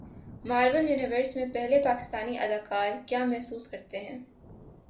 marvel universe میں پہلے پاکستانی اداکار کیا محسوس کرتے ہیں